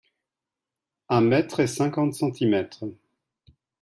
Un mètre et cinquante centimètres.